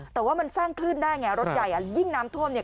แต่ว่ามันสร้างคลื่นได้ไงรถใหญ่อ่ะยิ่งน้ำท่วมเนี่ย